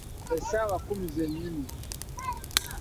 Essaawa ekkumi ze nnyini.